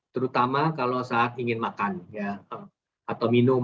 terutama kalau saat ingin makan atau minum